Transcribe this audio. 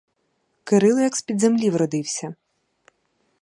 Кирило як з-під землі вродився.